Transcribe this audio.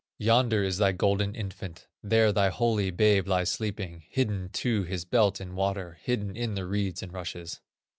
"Yonder is thy golden infant, There thy holy babe lies sleeping, Hidden to his belt in water, Hidden in the reeds and rushes."